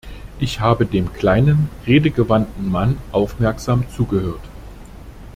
Ich habe dem kleinen redegewandten Mann aufmerksam zugehört.